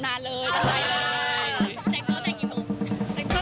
แต่่งแล้วจังหวีปุก